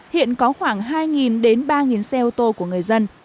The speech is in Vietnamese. hiện có khoảng hai đến ba xe ô tô của người dân